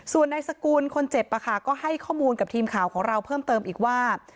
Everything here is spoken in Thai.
ส่วนนายสกุลคนเจ็บก็ให้ข้อมูลกับทีมข่าวของเราเพิ่มเติมอีกว่า